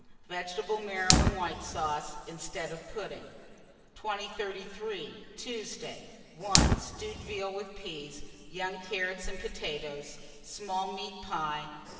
Vegetable marrow and white sauce, instead of pudding. 2033. Tuesday. 1. Stewed veal, with peas, young carrots, and potatoes. Small meat pie.